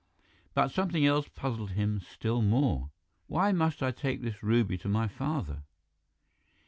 But something else puzzled him still more. "Why must I take this ruby to my father?"